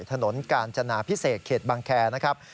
ถนนกาญจนาพิเศษเขตบังแคร์นะครับ